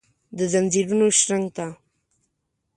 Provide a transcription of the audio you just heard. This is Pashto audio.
دځنځیرونو شرنګ ته ،